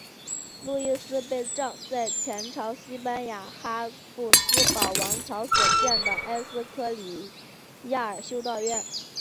路易斯被葬在前朝西班牙哈布斯堡王朝所建的埃斯科里亚尔修道院。